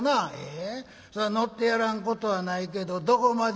「えそら乗ってやらんことはないけどどこまで行てくれる？」。